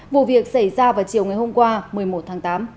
vụ việc xảy ra vào chiều ngày hôm qua một mươi một tháng tám